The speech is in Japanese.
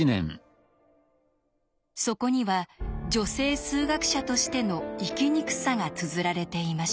そこには女性数学者としての生きにくさがつづられていました。